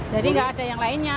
jadi nggak ada yang lainnya